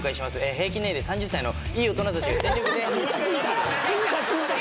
平均年齢３０歳のいい大人たちが全力で。